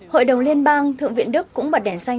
hội đồng liên bang thượng viện đức cũng bật đèn xanh